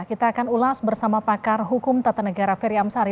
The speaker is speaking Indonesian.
kita akan ulas bersama pakar hukum tata negara ferry amsari